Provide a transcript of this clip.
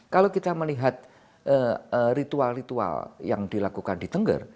kalau kita melihat ritual ritual yang dilakukan